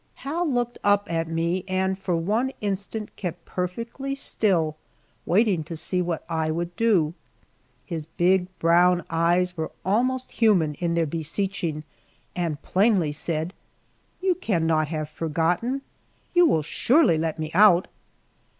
Hal looked up at me, and for one instant kept perfectly still, waiting to see what I would do. His big brown eyes were almost human in their beseeching, and plainly said, "You cannot have forgotten you will surely let me out!"